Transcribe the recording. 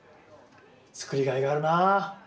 作りがいがあるな。